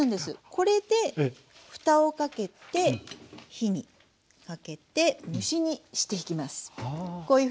これでふたをかけて火にかけて蒸し煮していきます。